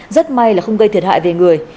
rất may là không gây thiệt hại về người